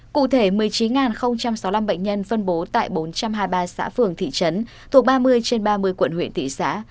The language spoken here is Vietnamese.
cụ thể một mươi chín sáu mươi năm bệnh nhân phân bố tại bốn trăm hai mươi ba xã phường thị trấn thuộc ba mươi trên ba mươi quận huyện thị xã